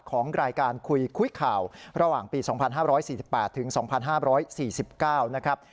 ของรายการคุยคุยข่าวระหว่างปี๒๕๔๘ถึง๒๕๔๙นะครับ